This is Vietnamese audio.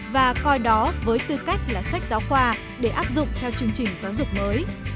và coi đó với tư cách là sách giáo khoa để áp dụng theo chương trình giáo dục mới